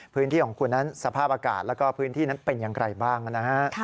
พื้นที่ของคุณนั้นสภาพอากาศแล้วก็พื้นที่นั้นเป็นอย่างไรบ้างนะฮะ